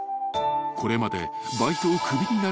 ［これまで］